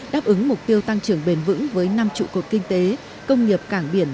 đáp ứng mục tiêu tăng trưởng bền vững với năm trụ cột kinh tế công nghiệp cảng biển